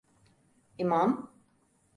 İmam…